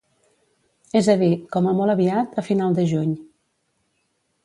És a dir, com a molt aviat, a final de juny.